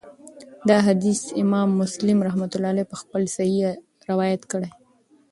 دا حديث امام مسلم رحمه الله په خپل صحيح کي روايت کړی